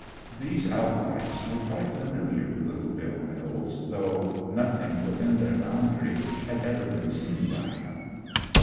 These outlines were quite familiar to little Bill Mills, though nothing within their boundary had ever been seen by him.